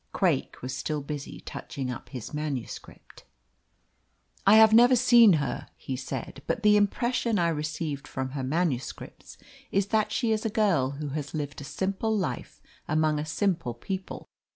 Craik was still busy touching up his manuscript. "I have never seen her," he said. "But the impression I received from her manuscripts is that she is a girl who has lived a simple life among a simple people.